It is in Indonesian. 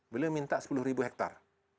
beliau minta sepuluh hektar